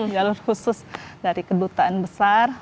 jalur khusus dari kedutaan besar